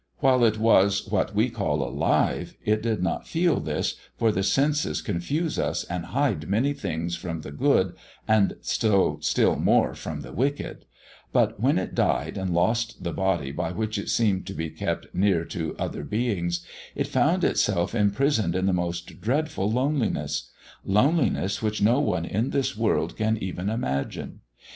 While it was what we call alive, it did not feel this, for the senses confuse us and hide many things from the good, and so still more from the wicked; but when it died and lost the body by which it seemed to be kept near to other beings, it found itself imprisoned in the most dreadful loneliness loneliness which no one in this world can even imagine.